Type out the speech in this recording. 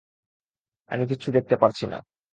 আমি কিচ্ছু দেখতে পারছি না।